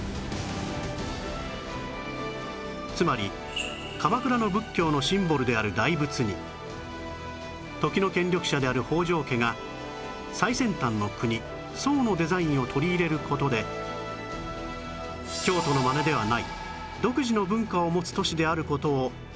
つまり鎌倉の仏教のシンボルである大仏に時の権力者である北条家が最先端の国宋のデザインを取り入れる事で京都のマネではない独自の文化を持つ都市である事をアピールする狙いがあったと